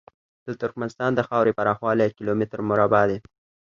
د ترکمنستان د خاورې پراخوالی کیلو متره مربع دی.